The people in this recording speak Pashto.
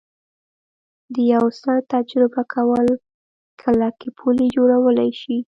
د یو څه تجربه کول کلکې پولې جوړولی شي